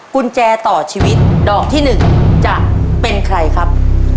กุญแจต่อชีวิตดอกที่๑จะเป็นใครครับ